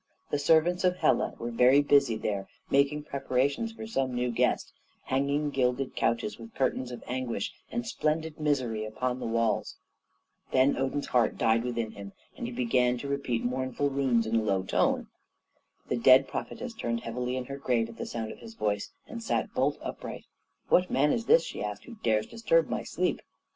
The servants of Hela were very busy there making preparations for some new guest hanging gilded couches with curtains of anguish and splendid misery upon the walls. Then Odin's heart died within him, and he began to repeat mournful runes in a low tone. The dead prophetess turned heavily in her grave at the sound of his voice, and sat bolt upright. "What man is this," she asked, "who dares disturb my sleep?"